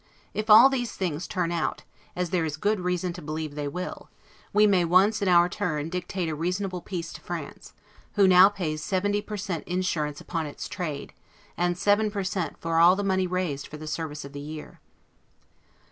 If all these things turn out, as there is good reason to believe they will, we may once, in our turn, dictate a reasonable peace to France, who now pays seventy per cent insurance upon its trade, and seven per cent for all the money raised for the service of the year.